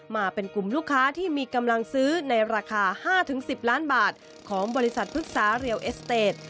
มาเป็นกลุ่มลูกค้าที่มีกำลังซื้อในราคา๕๑๐ล้านบาทของบริษัทพฤกษาเรียวเอสเตจ